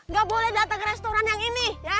gak boleh dateng ke restoran yang ini ya